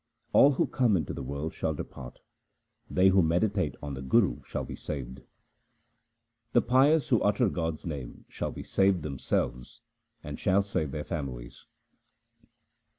All who come into the world shall depart ; they who meditate on the Guru shall be saved. The pious who utter God's name shall be saved themselves and shall save their families.